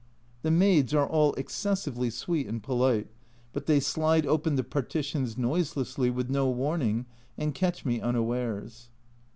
The maids are all excessively sweet and polite, but they slide open the partitions noiselessly, with no warning, and catch me unawares.